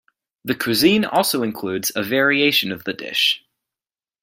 The cuisine also includes a variation of the dish.